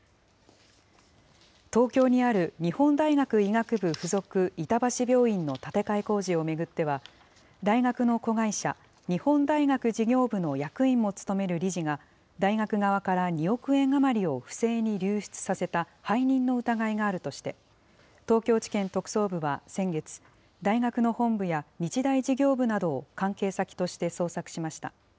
東京にある日本大学医学部附属板橋病院の建て替え工事を巡っては、大学の子会社、日本大学事業部の役員も務める理事が、大学側から２億円余りを不正に流出させた、背任の疑いがあるとして、東京地検特捜部は先月、大学の本部や日大事業部などを関係先として捜索しました。